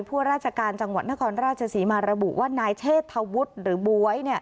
พวกราชการจังหวัดนครราชศรีมาระบุว่านายเชษฐวุฒิหรือบ๊วย